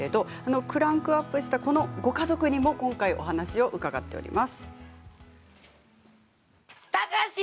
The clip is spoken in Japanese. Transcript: クランクアップしたあとのご家族にもお話を伺っています。